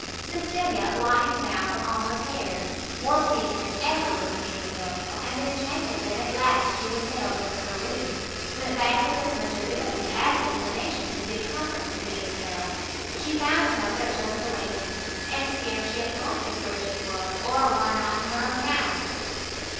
Cecilia, lightened now from all her cares, more pleased than ever with Mrs Delvile, and enchanted that at last she was settled under her roof, went back with as much ability as inclination to give comfort to Mrs Harrel. She found her but just awaking, and scarce yet conscious where she was, or why not in her own house.